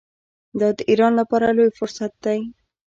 دا د ایران لپاره لوی فرصت دی.